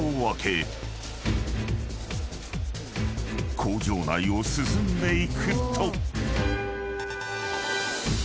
［工場内を進んでいくと］